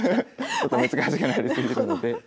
ちょっと難しくなり過ぎるので。